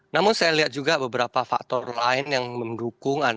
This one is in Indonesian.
namun saya lihat juga beberapa faktor lain yang mendukung